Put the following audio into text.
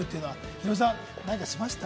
ヒロミさん、何かしましたか？